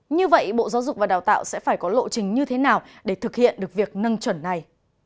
như vậy bộ giáo dục và đào tạo sẽ phải có lộ trình như thế nào để thực hiện được việc nâng chuẩn này